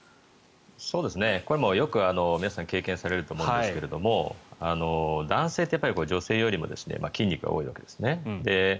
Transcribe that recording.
これ、よく皆さん経験されると思うんですけども男性ってやっぱり女性よりも筋肉が多いわけですね。